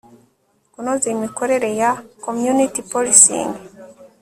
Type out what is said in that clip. kunoza imikorere ya community policing